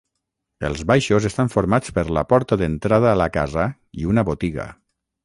Els baixos estan formats per la porta d'entrada a la casa i una botiga.